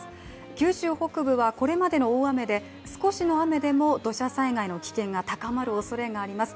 九州北部はこれまでの大雨で少しの雨でも土砂災害の危険が高まるおそれがあります。